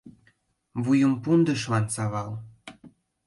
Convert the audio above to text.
Вуйым пундышлан савал